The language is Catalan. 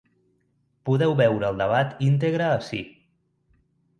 Podeu veure el debat íntegre ací.